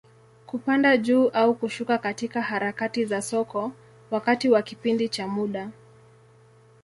Kupanda juu au kushuka katika harakati za soko, wakati wa kipindi cha muda.